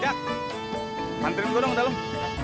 jak mantriku dong tolong